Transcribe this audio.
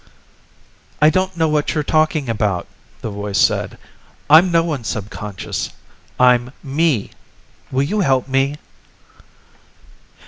"I don't know what you're talking about," the voice said. "I'm no one's subconscious. I'm me. Will you help me?"